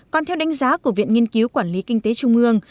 còn theo đánh giá của viện nghiên cứu quản lý kinh tế trung ương